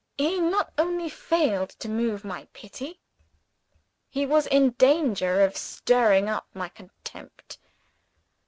He not only failed to move my pity he was in danger of stirring up my contempt.